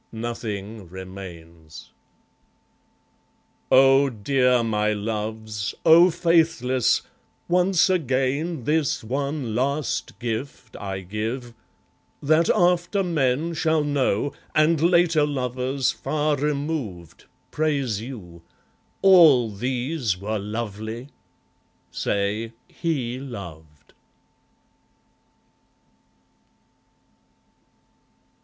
Nothing remains. O dear my loves, O faithless, once again This one last gift I give: that after men Shall know, and later lovers, far removed, Praise you, "All these were lovely"; say, "He loved."